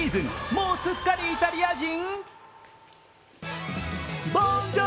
もうすっかりイタリア人？